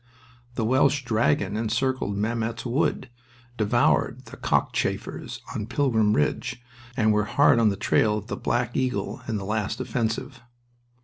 The Welsh dragon encircled Mametz Wood, devoured the "Cockchafers" on Pilkem Ridge, and was hard on the trail of the Black Eagle in the last offensive.